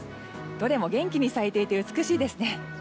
どれも元気に咲いていて美しいですね。